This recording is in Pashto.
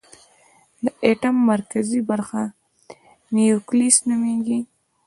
د ایټم مرکزي برخه نیوکلیس نومېږي.